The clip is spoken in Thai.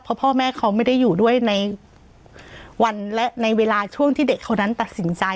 เพราะพ่อแม่เขาไม่ได้อยู่ด้วยในวันและในเวลาช่วงที่เด็กเขานั้นตัดสินใจ